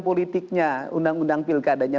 politiknya undang undang pilkadanya